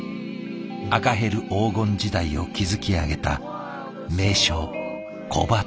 赤ヘル黄金時代を築き上げた名将古葉竹識。